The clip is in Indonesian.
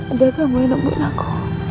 ada kamu yang nemuin aku